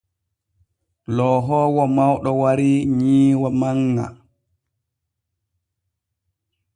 Loohoowo mawɗo warii nyiiwa manŋa.